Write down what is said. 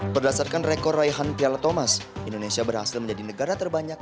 berdasarkan rekor raihan piala thomas indonesia berhasil menjadi negara terbanyak